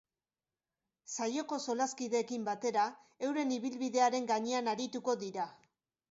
Saioko solaskideekin batera euren ibilbidearen gainean arituko dira.